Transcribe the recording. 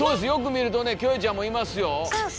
よく見るとねキョエちゃんもいますよ。